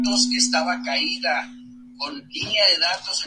Se les conoce como uno de los patrocinadores de la franquicia "Macross" en Japón.